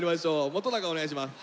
本お願いします。